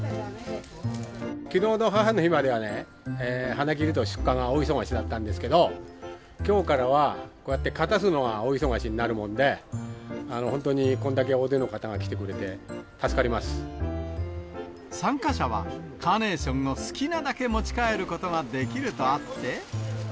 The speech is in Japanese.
きのうの母の日まではね、花切りと出荷が大忙しだったんですけど、きょうからは、こうやって、片すのが大忙しになるもんで、本当にこれだけ大勢の方が来てく参加者はカーネーションを好きなだけ持ち帰ることができるとあって。